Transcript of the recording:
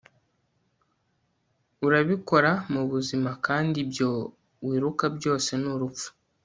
urabikora mubuzima kandi ibyo wiruka byose ni urupfu